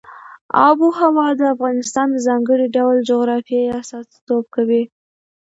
آب وهوا د افغانستان د ځانګړي ډول جغرافیه استازیتوب کوي.